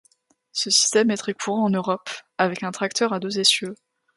Ce système est très courant en Europe, avec un tracteur à deux essieux.